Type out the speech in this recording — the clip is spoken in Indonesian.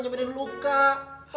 kalian lihat comel